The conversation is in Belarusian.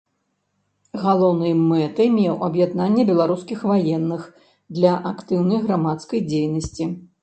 Галоўнай мэтай меў аб'яднанне беларускіх ваенных для актыўнай грамадскай дзейнасці.